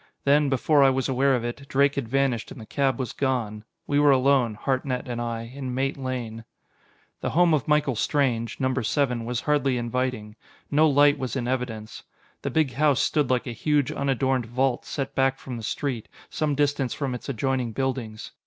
Then, before I was aware of it, Drake had vanished and the cab was gone. We were alone, Hartnett and I, in Mate Lane. The home of Michael Strange number seven was hardly inviting. No light was in evidence. The big house stood like a huge, unadorned vault set back from the street, some distance from its adjoining buildings.